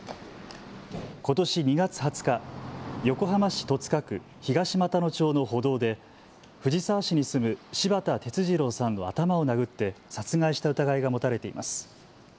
ことし２月２０日、横浜市戸塚区東俣野町の歩道で藤沢市に住む柴田哲二郎さんの頭を殴って殺害した疑いが持たれています。